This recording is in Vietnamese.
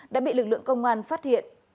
đã bị lực lượng công an phát hiện